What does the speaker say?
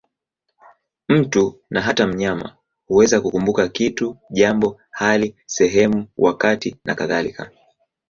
Mtu, na hata mnyama, huweza kukumbuka kitu, jambo, hali, sehemu, wakati nakadhalika.